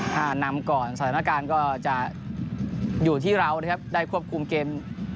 ถ้านำก่อนสถานการณ์ก็จะอยู่ที่เรานะครับได้ควบคุมเกม